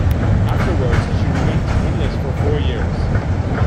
Afterwards she went winless for four years.